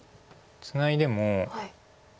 ツナいでも。